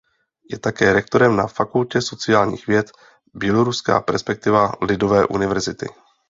Je také rektorem na fakultě sociálních věd „Běloruská perspektiva“ Lidové univerzity.